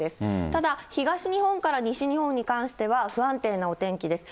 ただ東日本から西日本に関しては、不安定なお天気です。